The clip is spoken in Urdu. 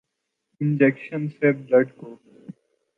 انجکشن سے بلڈ کو